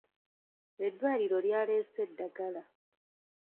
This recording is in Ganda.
Eddwaliro lyaleese eddagala.